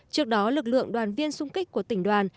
trước đó lực lượng đoàn viên sung kích của tỉnh đoàn